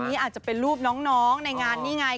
นี่อาจจะเป็นรูปน้องในงานนี่ไง